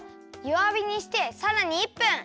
わびにしてさらに１分。